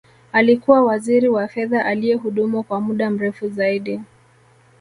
Alikuwa Waziri wa fedha aliyehudumu kwa muda mrefu zaidi